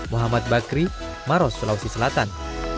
muhammad bakri maros sulawesi selatan